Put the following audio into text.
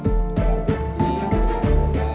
atas nama pemerintah